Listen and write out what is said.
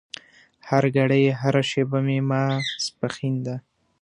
هرګړۍ هره شېبه مې ماسپښين ده